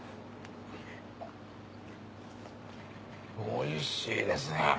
おいしいですね！